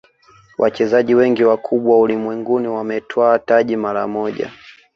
wachezaji wengi wakubwa ulimwenguni wametwaa taji mara moja